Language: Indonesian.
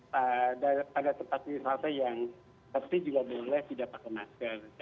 pada tempat wisata yang pasti juga boleh tidak pakai masker